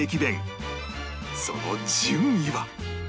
その順位は？